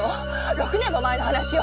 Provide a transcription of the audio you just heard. ６年も前の話よ。